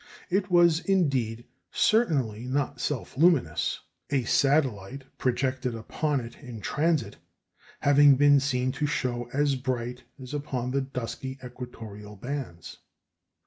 It was, indeed, certainly not self luminous, a satellite projected upon it in transit having been seen to show as bright as upon the dusky equatorial bands.